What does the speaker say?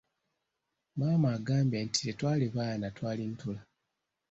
Maama agambye nti tetwali baana twali ntula.